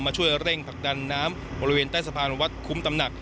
ช่วยเร่งผลักดันน้ำบริเวณใต้สะพานวัดคุ้มตำหนัก